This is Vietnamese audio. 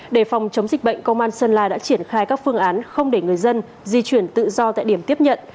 để phòng chống dịch bệnh công an sơn la đã triển khai các phương án không để người dân di chuyển tự do tại điểm tiếp nhận